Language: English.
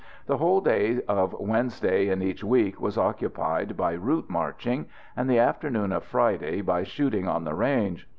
The whole day of Wednesday in each week was occupied by route marching, and the afternoon of Friday by shooting on the range.